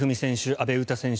阿部詩選手